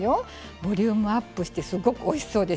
ボリュームアップしてすごくおいしそうでしょ！